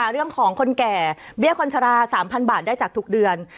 เรื่องของคนแก่เบี้ยคนชะลา๓๐๐บาทได้จากทุกเดือน